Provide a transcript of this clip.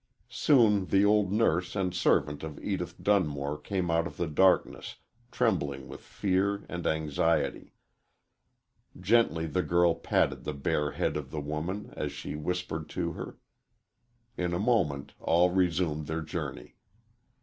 Soon the old nurse and servant of Edith Dun more came out of the darkness trembling with fear and anxiety. Gently the girl patted the bare head of the woman as she whispered to her. In a moment all resumed their journey.